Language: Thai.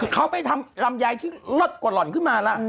เขาไปทำลำไยที่ลดกว่าหล่อนขึ้นมาแล้ว